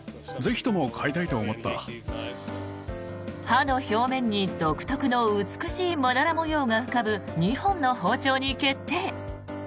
刃の表面に独特の美しいまだら模様が浮かぶ２本の包丁に決定。